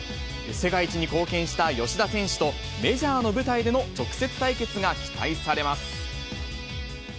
世界一に貢献した吉田選手と、メジャーの舞台での直接対決が期待されます。